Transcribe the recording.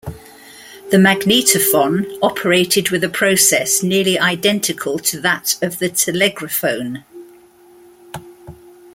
The magnetophon operated with a process nearly identical to that of the telegraphone.